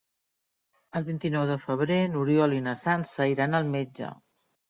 El vint-i-nou de febrer n'Oriol i na Sança iran al metge.